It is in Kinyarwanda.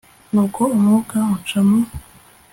Nuko umwuka unca mu